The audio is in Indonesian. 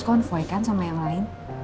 konvoikan sama yang lain